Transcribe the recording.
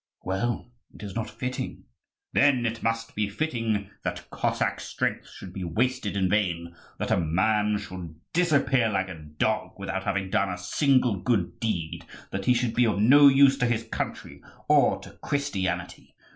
"Well, it is not fitting." "Then it must be fitting that Cossack strength should be wasted in vain, that a man should disappear like a dog without having done a single good deed, that he should be of no use to his country or to Christianity!